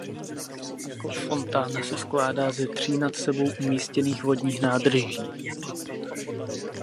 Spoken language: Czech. Fontána se skládá ze tří nad sebou umístěných vodních nádrží.